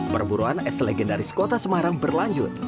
perburuan es legendaris kota semarang berlanjut